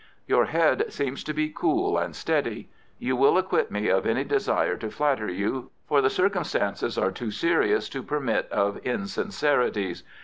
"Your head seems to be cool and steady. You will acquit me of any desire to flatter you, for the circumstances are too serious to permit of insincerities.